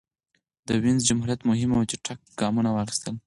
د وینز جمهوریت مهم او چټک ګامونه واخیستل.